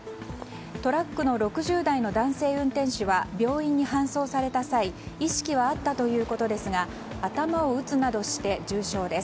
トラックの６０代の男性運転手は病院に搬送された際意識はあったということですが頭を打つなどして重傷です。